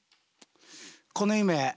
この夢